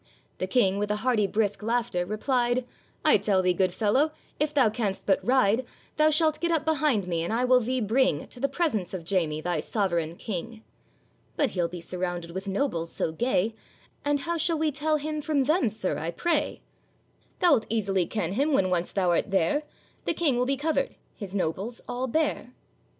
The King, with a hearty brisk laughter, replied, 'I tell thee, good fellow, if thou canst but ride, Thou shalt get up behind me, and I will thee bring To the presence of Jamie, thy sovereign King.' 'But he'll be surrounded with nobles so gay, And how shall we tell him from them, sir, I pray?' 'Thou'lt easily ken him when once thou art there; The King will be covered, his nobles all bare.